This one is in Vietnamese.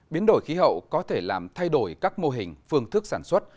biến đổi khí hậu có thể làm thay đổi các mô hình phương thức sản xuất